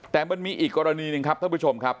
แต่มันมีอีกกรณีหนึ่งครับท่านผู้ชมครับ